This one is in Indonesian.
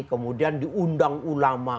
kemudian diundang ulama